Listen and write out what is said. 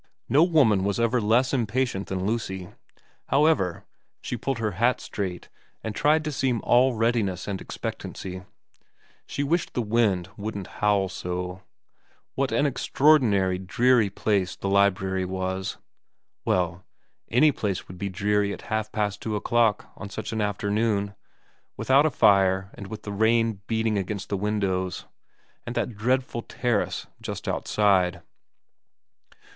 No woman was ever less impatient than Lucy. However, she pulled her hat straight and tried to seem all readiness and expectancy. She wished the wind wouldn't howl so. What an extraordinary dreary place the library was. Well, any place would be dreary at half past two o'clock on such an afternoon, without a fire and with the rain beating against the window, and that dreadful terrace just outside.